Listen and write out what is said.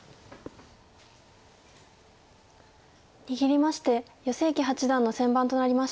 握りまして余正麒八段の先番となりました。